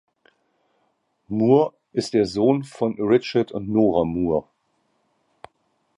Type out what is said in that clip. Moore ist der Sohn von Richard und Nora Moore.